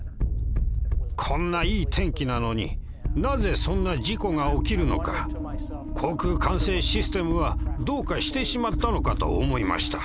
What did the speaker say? こんないい天気なのになぜそんな事故が起きるのか航空管制システムはどうかしてしまったのかと思いました。